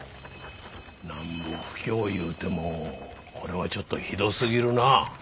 なんぼ不況いうてもこれはちょっとひどすぎるな。